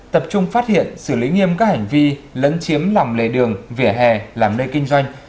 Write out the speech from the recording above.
tập trung phát hiện xử lý nghiêm các hành vi lấn chiếm lòng lề đường vỉa hè làm nơi kinh doanh